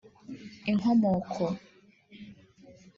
inkomoko